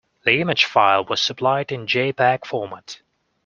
The image file was supplied in jpeg format.